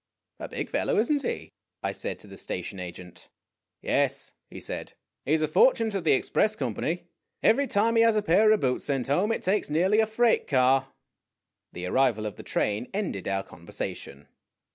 "A big fellow, is n't he?" I said to the station agent. "Yes," he said; "he 's a fortune to the express company. Every time he has a pair of boots sent home, it takes nearly a freight car." O The arrival of the train ended our conversation.